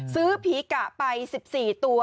ซื้อผีกะไป๑๔ตัว